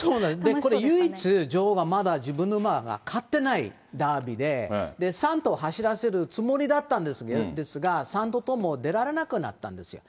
これ、唯一、女王がまだ自分の馬が勝ってないダービーで、３頭走らせるつもりだったんですが、３頭とも出られなくなったんですよ。